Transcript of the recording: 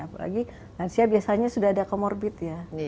apalagi lansia biasanya sudah ada comorbid ya